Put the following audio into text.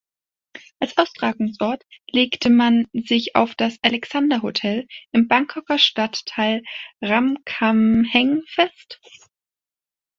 Als Austragungsort legte man sich auf das "Alexander Hotel" im Bangkoker Stadtteil Ramkhamhaeng fest.